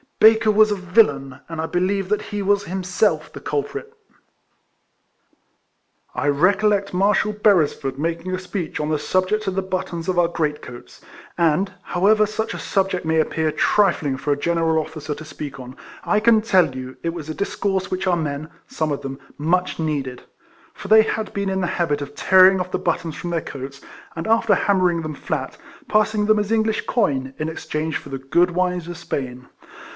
Baker was a villain, and I believe that he was himself the culprit." I recollect Marshal Beresford making a speech on the subject of the buttons of our great coats ; and, however such a subject may appear trifling for a general officer to speak on, I can tell you, it was a discourse which our men (some of them) much needed; for they had been in the habit of tearing off the buttons from their coats, and after hammer 152 RECOLLECTIONS OF ing them flat, passing them as English coin, in exchange for the good wines of Spain.